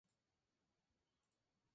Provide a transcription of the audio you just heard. Tiene una hermana mayor llamada Lee Sora.